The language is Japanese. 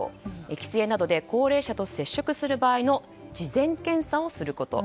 帰省などで高齢者と接触する場合の事前検査をすること。